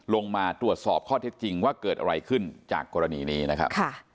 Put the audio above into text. ลงมาตรวจสอบข้อเท็จจริงว่าเกิดอะไรขึ้นจากกรณีนี้นะครับ